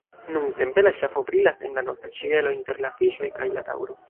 Nuntempe la ŝafo brilas en la nokta ĉielo inter la Fiŝoj kaj la Taŭro.